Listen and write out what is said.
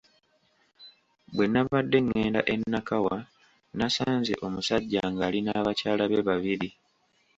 Bwe nabadde ngenda e Nakawa nasanze omusajja ng'ali n'abakyala be babiri.